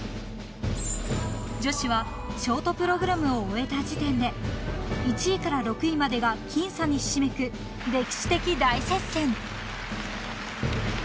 ［女子はショートプログラムを終えた時点で１位から６位までが僅差にひしめく歴史的大接戦］